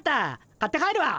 買って帰るわ。